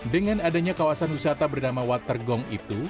dengan adanya kawasan wisata bernama water gong itu